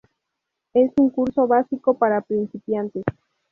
Es un curso básico para principiantes.